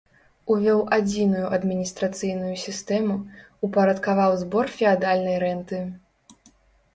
Увёў адзіную адміністрацыйную сістэму, упарадкаваў збор феадальнай рэнты.